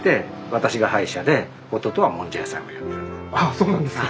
そうなんですか。